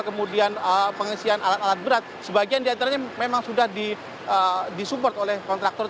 kemudian pengisian alat alat berat sebagian diantaranya memang sudah disupport oleh kontraktor